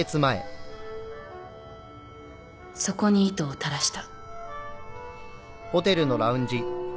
そこに糸を垂らした。